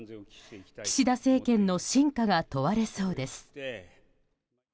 岸田政権の真価が問われそうです。